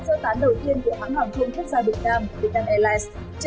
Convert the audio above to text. sơ tán đầu tiên của hãng hoàng thông quốc gia việt nam việt nam airlines